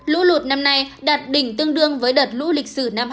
lũ lụt năm nay đạt đỉnh tương đương với đợt lũ lịch sử năm hai nghìn một mươi